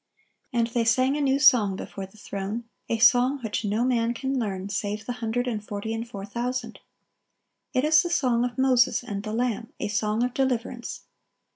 (1122) And they sing "a new song" before the throne, a song which no man can learn save the hundred and forty and four thousand. It is the song of Moses and the Lamb,—a song of deliverance.